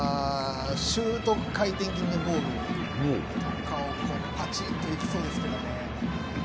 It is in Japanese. シュート回転気味のボールとかをパチンと行きそうですけどね。